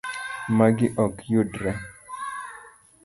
Magi ok yudre.